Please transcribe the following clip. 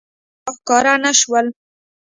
نور مېلمانه راښکاره نه شول.